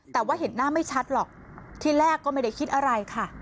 แต่ว่าเห็นหน้าไม่ชัดหรอกที่แรกก็ไม่ได้คิดอะไรค่ะ